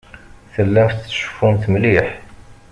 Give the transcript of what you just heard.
Tellamt tceffumt mliḥ.